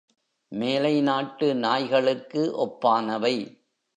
மேலை நாட்டு நாய்களுக்கு ஒப்பானவை.